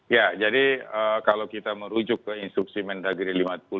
ya jadi kalau kita merujuk ke instruksi mendagri lima puluh